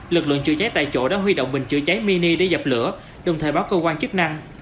lực lượng chữa cháy tại chỗ đã huy động bình chữa cháy mini để dập lửa đồng thời báo cơ quan chức năng